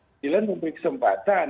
pilihan mempunyai kesempatan